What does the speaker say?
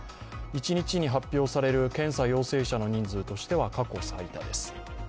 一日に発表される検査陽性者の人数としては過去最多です。